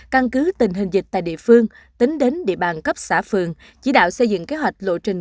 căn cứ tình hình dịch tại địa phương tính đến địa bàn cấp xã phường chỉ đạo xây dựng kế hoạch lộ trình